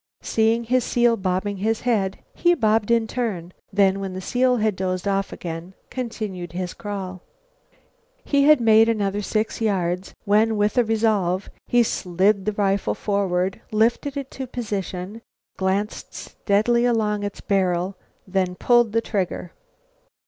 Seeing his seal bobbing his head, he bobbed in turn, then, when the seal had dozed off again, continued his crawl. He had made another six yards when, with a sudden resolve, he slid the rifle forward, lifted it to position, glanced steadily along its barrel, then pulled the trigger.